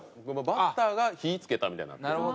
バッターが火付けたみたいになってる。